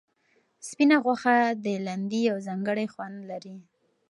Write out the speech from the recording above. سپینه غوښه د لاندي یو ځانګړی خوند لري.